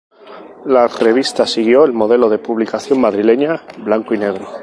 La revista siguió el modelo de la publicación madrileña "Blanco y Negro".